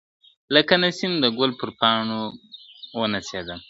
لکه نسیم د ګل پر پاڼوپانو ونڅېدم `